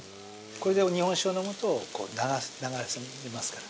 ◆これで日本酒を飲むと流されますから。